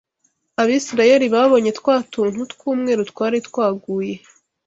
Abisirayeli babonye twa tuntu tw’umweru twari twaguye